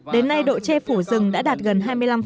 đến nay độ che phủ rừng đã đạt gần hai mươi năm